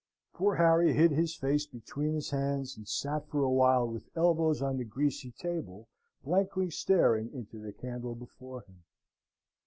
Poor Harry hid his face between his hands, and sate for a while with elbows on the greasy table blankly staring into the candle before him.